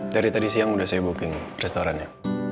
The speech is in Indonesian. dari tadi siang sudah saya booking restorannya